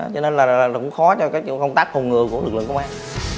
cho nên là cũng khó cho cái công tác hồn ngừa của lực lượng công an